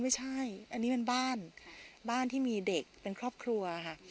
ไม่ใช่อันนี้เป็นบ้านบ้านที่มีเด็กเป็นครอบครัวค่ะ